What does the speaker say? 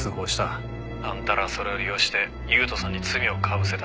「あんたらはそれを利用して優人さんに罪をかぶせた」